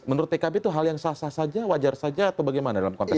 menurut pkb itu hal yang sah sah saja wajar saja atau bagaimana dalam kontentrasi